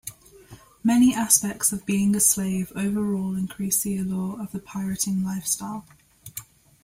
Many aspects of being a slave overall increased the allure of the pirating lifestyle.